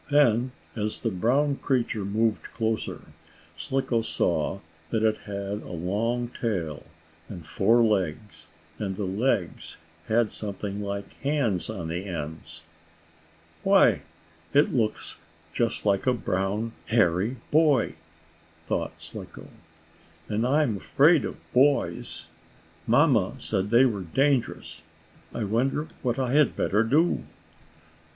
] Then, as the brown creature moved closer, Slicko saw that it had a long tail, and four legs, and the legs had something like hands on the ends. "Why, it looks just like a brown, hairy boy!" thought Slicko. "And I'm afraid of boys. Mamma said they were dangerous. I wonder what I had better do?"